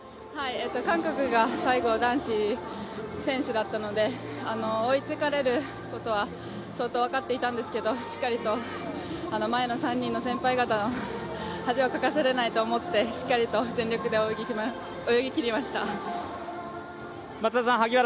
韓国が最後男子選手だったので、追いつかれることは相当分かっていたんですけどしっかりと、前の３人の先輩方に恥をかかせられないと思ってしっかり全力で泳ぎ切りました。